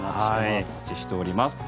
お待ちしております。